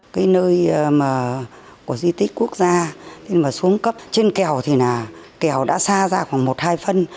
cái nơi mà của di tích quốc gia mà xuống cấp trên kèo thì là kèo đã xa ra khoảng một hai phân